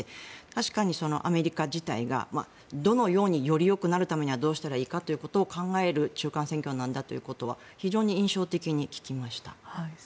確かにアメリカ自体がどのようによりよくなるためにはどうしたらいいかということを考える中間選挙なんだということは非常に印象的に聞きました。